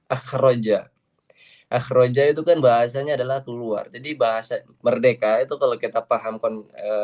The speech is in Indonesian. akhroja akhroja itu kan bahasanya adalah keluar jadi bahasa merdeka itu kalau kita paham kon